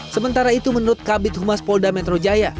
sementara itu menurut kabit humas polda metro jaya